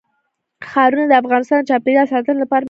ښارونه د افغانستان د چاپیریال ساتنې لپاره مهم دي.